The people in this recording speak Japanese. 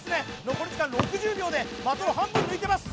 残り時間６０秒で的を半分抜いてます